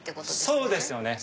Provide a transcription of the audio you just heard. そうですよね。